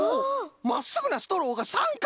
まっすぐなストローがさんかくに！